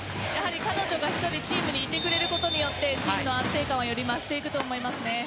彼女が１人チームにいてくれることによってチームの安定感がより増していくと思いますね。